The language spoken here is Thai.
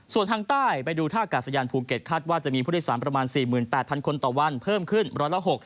ส่วนทางใต้ไปดูท่ากาศยานภูเก็ตคาดว่าจะมีผู้โดยสารประมาณ๔๘๐๐คนต่อวันเพิ่มขึ้น๑๖๐